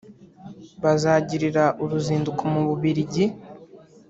bazagirira uruzinduko mu Bubiligi